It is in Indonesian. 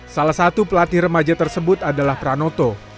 salah satu pelatih remaja tersebut adalah pranoto